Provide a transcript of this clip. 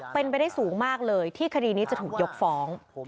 เป็นไปได้สูงมากเลยที่คดีนี้จะถูกยกฟ้อง